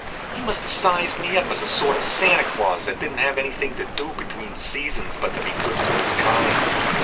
He must have sized me up as a sort of Santa Claus that didn't have anything to do between seasons but to be good to his kind.